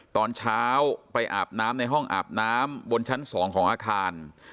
ตอนเช้าไปอาบน้ำในห้องอาบน้ำบนชั้น๒ของอาคาร